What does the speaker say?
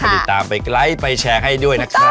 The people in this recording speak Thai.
ติดตามไปไกลไปแชร์ให้ด้วยนะครับ